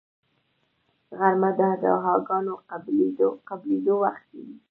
غرمه د دعاګانو د قبلېدو وخت وي